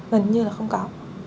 gần như là không có